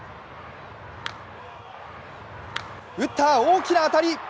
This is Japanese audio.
打った、大きな当たり。